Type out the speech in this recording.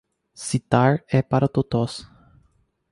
Citar é para totós!